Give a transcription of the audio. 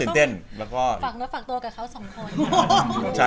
มาเป็นแบบว่าสิ่งสนานเฮฮา